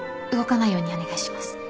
動かないようにお願いします。